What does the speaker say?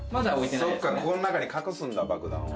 そっか、この中に隠すんだ、爆弾を。